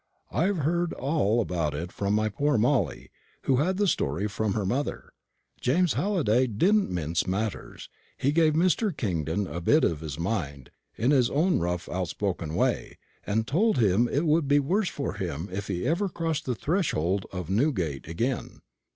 I've heard all about it from my poor Molly, who had the story from her mother. James Halliday didn't mince matters; he gave Mr. Kingdon a bit of his mind, in his own rough outspoken way, and told him it would be the worse for him if he ever crossed the threshold of Newhall gate again.